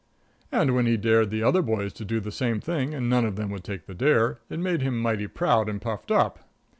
And when he dared the other boys to do the same thing and none of them would take the dare, it made him mighty proud and puffed up.